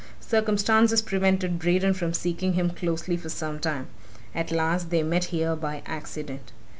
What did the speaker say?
Circumstances prevented Braden from seeking him closely for some time; at last they met here, by accident.